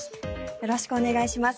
よろしくお願いします。